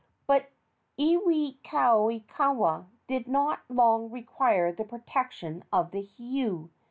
But Iwikauikaua did not long require the protection of the heiau.